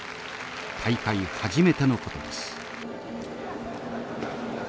大会初めてのことです。